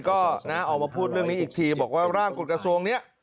ก็นะออกมาพูดเรื่องนี้อีกทีบอกว่าร่างกฎกระทรวงนี้